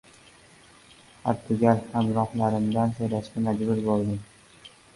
hartugul hamrohlarimdan so‘rashga majbur bo‘ldim: